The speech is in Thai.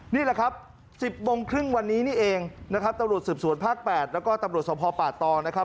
นี่แหละครับ๑๐โมงครึ่งวันนี้นี่เองนะครับตำรวจสืบสวนภาค๘แล้วก็ตำรวจสมภาพป่าตองนะครับ